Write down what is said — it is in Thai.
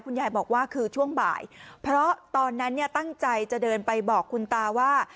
ยายบอกว่าคือช่วงบ่ายเพราะตอนนั้นเนี่ยตั้งใจจะเดินไปบอกคุณตาว่า